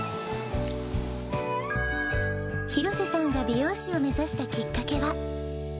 廣瀬さんが美容師を目指したきっかけは。